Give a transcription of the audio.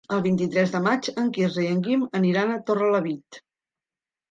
El vint-i-tres de maig en Quirze i en Guim aniran a Torrelavit.